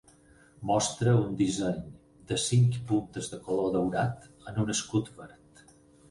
Mostra un disseny de cinc puntes de color daurat en un escut verd.